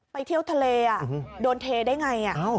ไปเที่ยวทะเลอ่ะโดนเทได้ไงอ่ะ